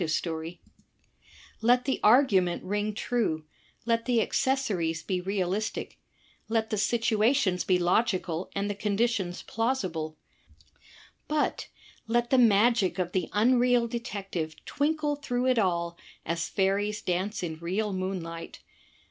f «• v 52 THE TECHNIQUE OF THE MYSTERY STORY Let the argument ring true, let the accessories be realistic, let the situations be logical and the conditions plausible; but let the magic of the imreal detective twinkle through it all as fairies dance in real moonlight.